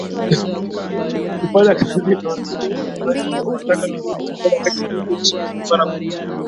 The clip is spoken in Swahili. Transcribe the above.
kufanya kazi na wanajeshi wa Somalia na kuwataka badala yake waingie nchini humo mara kwa mara